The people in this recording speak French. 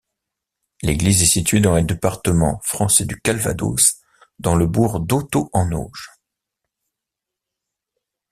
L'église est située dans le département français du Calvados, dans le bourg d'Hotot-en-Auge.